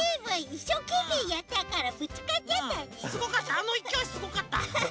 あのいきおいすごかった。